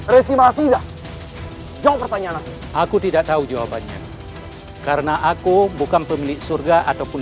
restimasi dah jawab pertanyaan aku tidak tahu jawabannya karena aku bukan pemilik surga ataupun